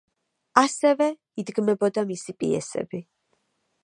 ასევე, იდგმებოდა მისი პიესები.